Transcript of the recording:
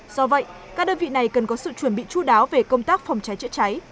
do vậy các đơn vị này cần có sự chuẩn bị chú đáo về công tác phòng cháy chữa cháy